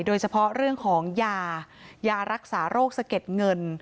โดยเฉพาะเรื่องของยายารักษาโรคสะเก็ดเงิน